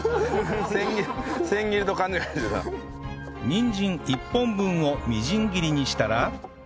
にんじん１本分をみじん切りにしたら